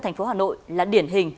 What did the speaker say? thành phố hà nội là điển hình